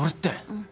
うん。